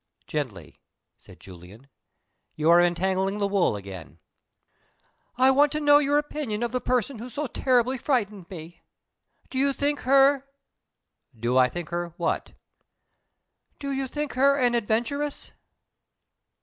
"Gently!" said Julian. "You are entangling the wool again." "I want to know your opinion of the person who so terribly frightened me. Do you think her " "Do I think her what?" "Do you think her an adventuress?"